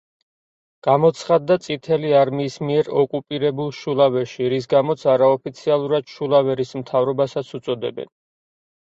გამოცხადდა წითელი არმიის მიერ ოკუპირებულ შულავერში, რის გამოც არაოფიციალურად „შულავერის მთავრობასაც“ უწოდებდნენ.